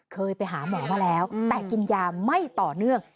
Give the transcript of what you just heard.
เคยไปหาหมอมาแล้วแต่กินยาไม่ต่อเนื่อง